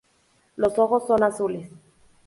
Los ojos son azules.